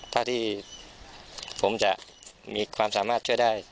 ถ้าที่ผมจะมีความสามารถช่วยได้